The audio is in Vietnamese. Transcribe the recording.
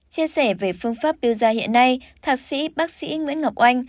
chia sẻ về phương pháp piu da hiện nay thạc sĩ bác sĩ nguyễn ngọc oanh